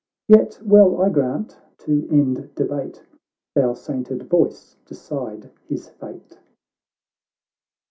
Yet well I grant, to end debate, Thy sainted voice decide his fate."